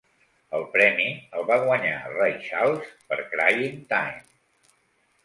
El premi el va guanyar Ray Charles per "Crying Time".